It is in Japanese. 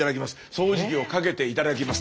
掃除機をかけて頂きます。